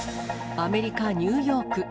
アメリカ・ニューヨーク。